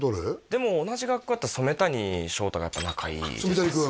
でも同じ学校だったら染谷将太がやっぱ仲いい染谷君？